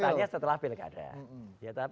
katanya setelah pilkada